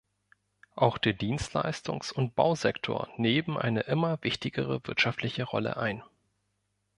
Auch der Dienstleistungs- und Bausektor nehmen eine immer wichtigere wirtschaftliche Rolle ein.